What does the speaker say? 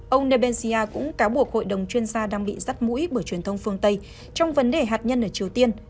ông nebensia cũng cáo buộc hội đồng chuyên gia đang bị rắt mũi bởi truyền thông phương tây trong vấn đề hạt nhân ở triều tiên